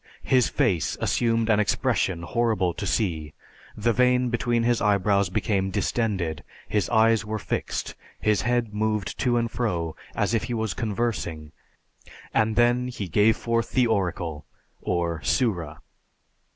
His face assumed an expression horrible to see, the vein between his eyebrows became distended, his eyes were fixed, his head moved to and fro, as if he was conversing, and then he gave forth the oracle or Sura.